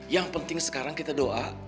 yang penting sekarang kita doa